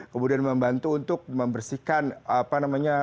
kemudian membantu untuk membersihkan apa namanya